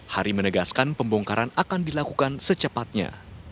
hari menegaskan pembongkaran akan dilakukan secepatnya